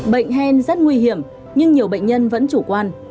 bệnh hen rất nguy hiểm nhưng nhiều bệnh nhân vẫn chủ quan